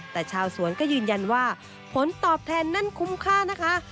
แต่ชาวสวนก็ยืนยันว่าผลตอบแทนนั้นคุ้มค่านะคะ